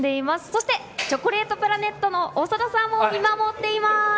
そして、チョコレートプラネットの長田さんも見守っています。